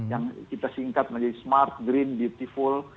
yang kita singkat menjadi smart green beautyful